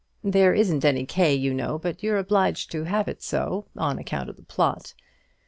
There isn't any quay, you know; but you're obliged to have it so, on account of the plot.